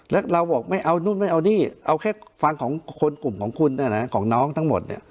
และเราบอกไม่เอานู้นไม่เอานี่เอาแค่ฟังของกลุ่มของขุนน้องทั้งหมด